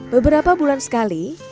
beberapa bulan sekali